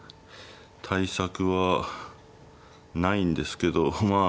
対策はないんですけどまあ